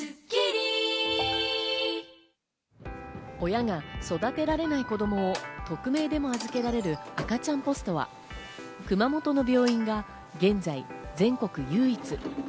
親が育てられない子供を匿名でも預けられる赤ちゃんポストは熊本の病院が現在、全国唯一。